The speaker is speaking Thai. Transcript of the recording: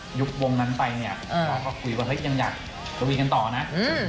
พอยุกวงนั้นไปเนี่ยพอพอกุยว่ายังอยากลุยกันต่อนะ